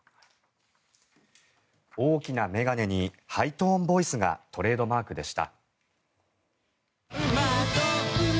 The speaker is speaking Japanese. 大きな眼鏡にハイトーンボイスがトレードマークでした。